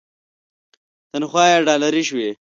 تنخوا یې ډالري شوې.